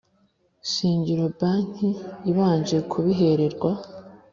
Shingiro banki ibanje kubihererwa